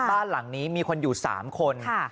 บ้านหลังนี้มีคนอยู่๓คน